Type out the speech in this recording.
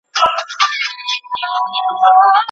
د سياست علم د مځکي پر مخ خپور کړل سو.